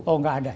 oh enggak ada